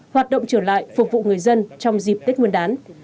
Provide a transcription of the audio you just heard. hoạt động trở lại phục vụ người dân trong dịp tết nguyên đán